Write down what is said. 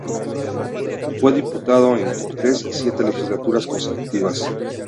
Fue diputado en Cortes siete legislaturas consecutivas.